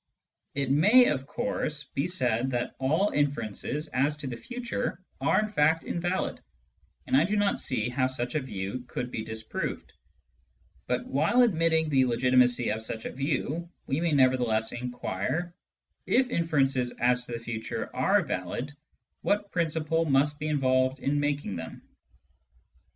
It may, of course, be said that all inferences as to the future are in fact invalid, and I do not see how such a view coxild be disproved. But, while admitting the legitimacy of such a view, we may nevertheless inquire : Digitized by Google 222 SCIENTIFIC METHOD IN PHILOSOPHY If inferences as to the future are valid, what principle must be involved in making them